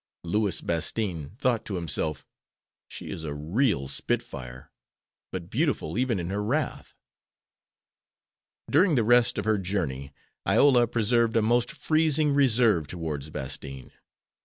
Louis Bastine thought to himself, "she is a real spitfire, but beautiful even in her wrath." During the rest of her journey Iola preserved a most freezing reserve towards Bastine.